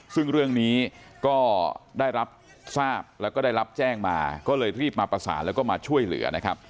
ซึ่งเรื่องนี้ก็ได้รับทราบแล้วก็ได้รับแจ้งมาก็เลยรีบมาประสานแล้วก็มาช่วยเหลือนะครับ